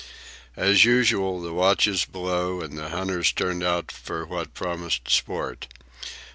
As usual, the watches below and the hunters turned out for what promised sport.